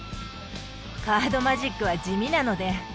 カードマジックは地味なので。